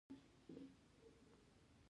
تودوخه د افغانستان د طبیعت د ښکلا برخه ده.